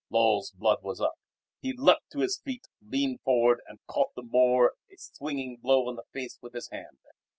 Lull's blood was up. He leapt to his feet, leaned forward, and caught the Moor a swinging blow on the face with his hand.